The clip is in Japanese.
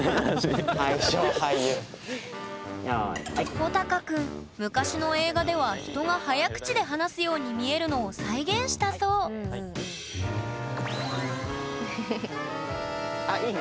ほたかくん昔の映画では人が早口で話すように見えるのを再現したそうあっいいね！